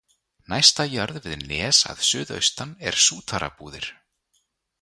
Næsta jörð við Nes að suðaustan er Sútarabúðir.